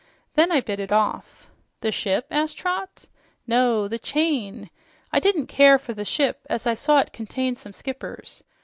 Then I bit it off." "The ship?" asked Trot. "No, the chain. I didn't care for the ship, as I saw it contained some skippers.